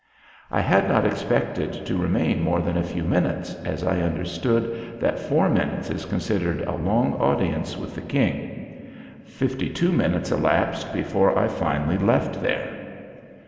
I had not expected to remain more than a few minutes, as I understood that four minutes is considered a long audience with the King. Fifty two minutes elapsed before I finally left there!